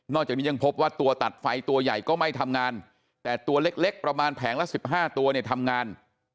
จากนี้ยังพบว่าตัวตัดไฟตัวใหญ่ก็ไม่ทำงานแต่ตัวเล็กประมาณแผงละ๑๕ตัวเนี่ยทำงาน